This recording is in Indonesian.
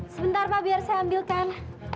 sebentar pak biar saya ambilkan